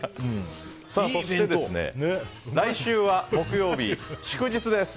来週は木曜日、祝日です。